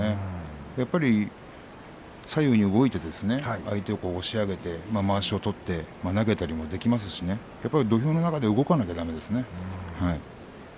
やはり左右に動いて相手を押し上げて、まわしを取って投げたりもできますし土俵の中で動かなくてはいけません。